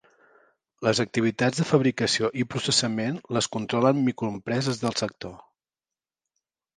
Les activitats de fabricació i processament les controlen microempreses del sector.